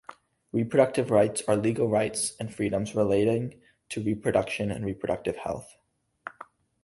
Reproductive rights are legal rights and freedoms relating to reproduction and reproductive health.